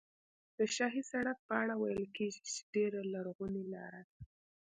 د شاهي سړک په اړه ویل کېږي چې ډېره لرغونې لاره ده.